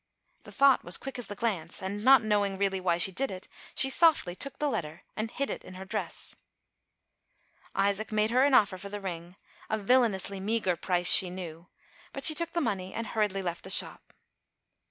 The thought was quick as the glance, and, not know ing, really, why she did it, she softly took the letter and hid it in her dress. Isaac made her an offer for the ring, a villainously meagre price she knew, but she took the money and hurriedly left the shop.